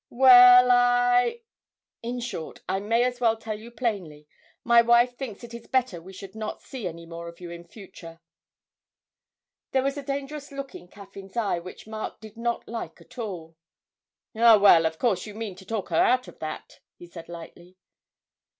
'Well, I in short, I may as well tell you plainly, my wife thinks it is better we should not see any more of you in future.' There was a dangerous look in Caffyn's eye which Mark did not at all like. 'Ah, well, of course you mean to talk her out of that?' he said lightly.